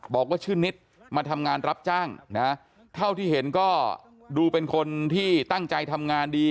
บอกว่าชื่อนิดมาทำงานรับจ้างนะเท่าที่เห็นก็ดูเป็นคนที่ตั้งใจทำงานดี